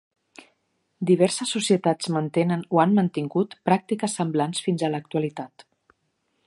Diverses societats mantenen o han mantingut pràctiques semblants fins a l'actualitat.